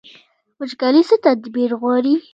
وچکالي څه تدبیر غواړي؟